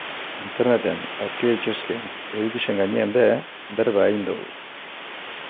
Interneten aurki daitezkeen edukiei buruz ere hitz egin dugu.